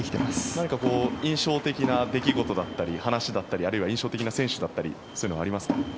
何か印象的な出来事だったり話だったりあるいは印象的な選手だったりというのはありますか。